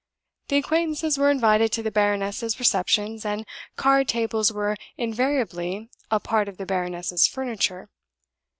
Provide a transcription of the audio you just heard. The acquaintances were invited to the baroness's receptions, and card tables were invariably a part of the baroness's furniture.